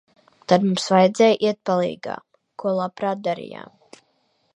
Tad mums vajadzēja iet palīgā, ko labprāt darījām.